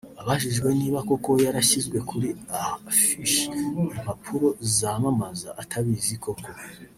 Abajijwe niba koko yarashyizwe kuri affiche(impapuro zamamaza) atabizi koko